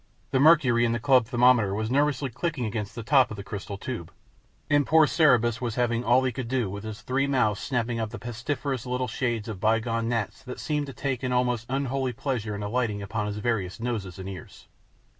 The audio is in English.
The mercury in the club thermometer was nervously clicking against the top of the crystal tube, and poor Cerberus was having all he could do with his three mouths snapping up the pestiferous little shades of by gone gnats that seemed to take an almost unholy pleasure in alighting upon his various noses and ears.